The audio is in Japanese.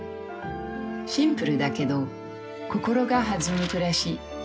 シンプルだけど心が弾む暮らし。